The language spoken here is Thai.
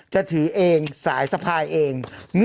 จะถือเองสายสะพายเอง